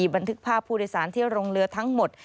บันทึกภาพผู้โดยสารเที่ยวลงเรือทั้งหมด